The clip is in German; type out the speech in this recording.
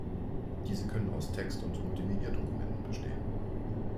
Diese können aus Text- und Multimedia-Dokumenten bestehen.